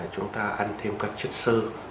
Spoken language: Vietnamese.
chúng ta ăn thêm các chất xơ